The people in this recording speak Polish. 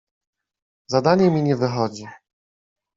Zadanie mi nie wychodzi!